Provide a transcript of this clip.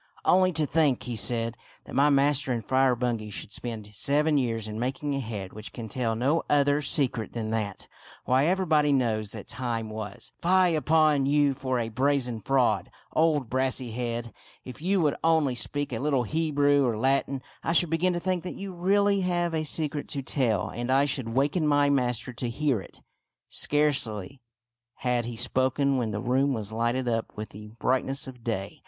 " Only to think," he said, " that my master and Friar Bungay should spend seven years in making a head which can tell no other secret than that ! Why everybody knows that time was. Fie upon FRIAR BACON AND THE BRAZEN HEAD 79 you for a brazen fraud, old Brassy head ! If you would only speak a little Hebrew or Latin, I should begin to think that you really have a secret to tell, and I should waken my master to hear it." Scarcely had he spoken when the room was lighted up with the brightness of day.